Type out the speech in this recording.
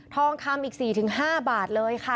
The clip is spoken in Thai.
ทองคำอีก๔๕บาท